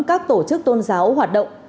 các tổ chức tôn giáo hoạt động